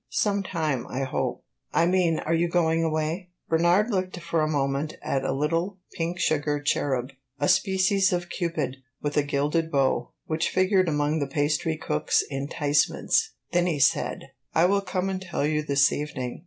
"Some time, I hope." "I mean are you going away?" Bernard looked for a moment at a little pink sugar cherub a species of Cupid, with a gilded bow which figured among the pastry cook's enticements. Then he said "I will come and tell you this evening."